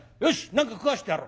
何か食わしてやろう。